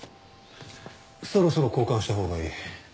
そろそろ交換した方がいい。